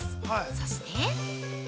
そして。